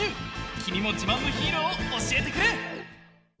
きみもじまんのヒーローをおしえてくれ！